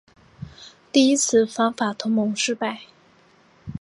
第一次反法同盟失败。